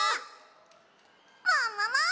ももも！